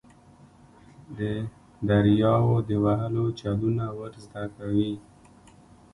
د دریاوو د وهلو چلونه ور زده کوي.